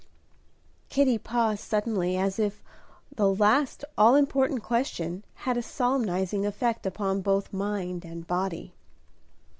Kitty paused suddenly, as if the last all important question had a solemnizing effect upon both mind and body.